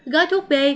gói thuốc b